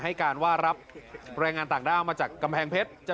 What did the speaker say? ให้การว่ารับแรงงานต่างด้าวมาจากกำแพงเพชร